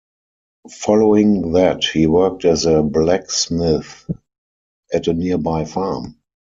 Following that, he worked as a blacksmith at a nearby farm.